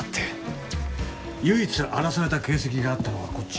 唯一荒らされた形跡があったのはこっち。